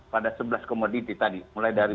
pada sebelas komoditi tadi mulai dari